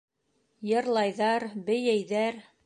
Йырлайҙар, бейейҙәр.